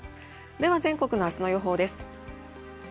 では、全国の明日の予報です。